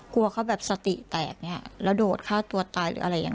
กลัวเขาแบบสติแตกเนี่ยแล้วโดดฆ่าตัวตายหรืออะไรอย่าง